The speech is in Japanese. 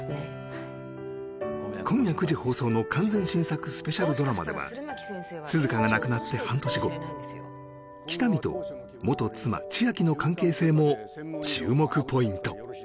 はい今夜９時放送の完全新作スペシャルドラマでは涼香が亡くなって半年後喜多見と元妻千晶の関係性も注目ポイント